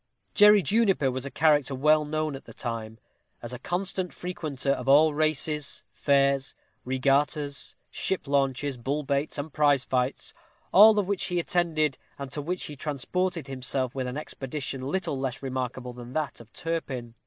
Jerry Juniper was a character well known at the time, as a constant frequenter of all races, fairs, regattas, ship launches, bull baits, and prize fights, all of which he attended, and to which he transported himself with an expedition little less remarkable than that of Turpin.